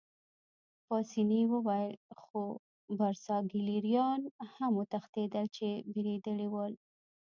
پاسیني وویل: خو برساګلیریایان هم وتښتېدل، چې بېرېدلي ول.